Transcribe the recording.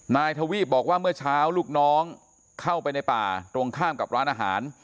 นายทวีปบอกว่าเมื่อเช้าลูกน้องเข้าไปในป่าตรงข้ามกับร้านอาหาร